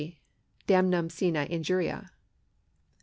Damnum sine Injuria.